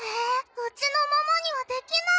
うちのママにはできない。